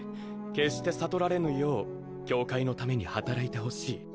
決して悟られぬよう教会のために働いてほしい